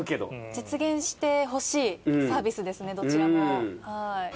実現してほしいサービスですねどちらもはい。